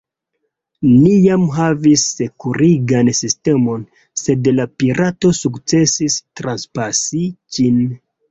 Ni jam havis sekurigan sistemon, sed la pirato sukcesis transpasi ĝin.